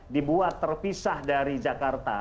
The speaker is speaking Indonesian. dibuat terpisah dari jakarta